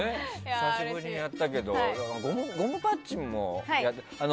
久しぶりにやったけどゴムパッチンもやって。